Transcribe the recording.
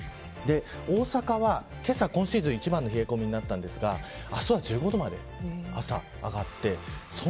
大阪は、けさ今シーズン一番の冷え込みになりましたが明日は朝１５度まで上がります。